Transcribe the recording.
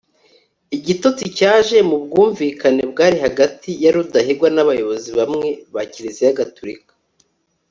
igitotsi cyaje mu bwumvikane bwari hagati ya rudahigwa n'abayobozi bamwe ba kiliziya gatolika